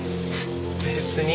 別に。